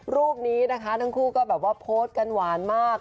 รูปนี้นะคะทั้งคู่ก็แบบว่าโพสต์กันหวานมาก